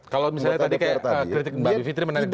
kalau misalnya tadi kayak kritik mbak bivitri menarik juga